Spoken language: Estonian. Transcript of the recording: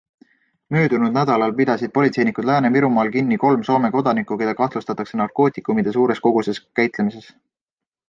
Möödunud nädalal pidasid politseinikud Lääne-Virumaal kinni kolm Soome kodanikku, keda kahtlustatakse narkootikumide suures koguses käitlemises.